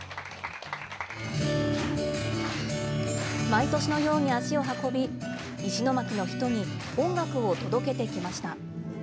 毎年のように足を運び、石巻の人に音楽を届けてきました。